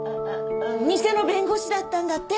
ニセの弁護士だったんだって。